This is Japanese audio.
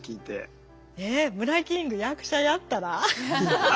えムラキング役者やったら？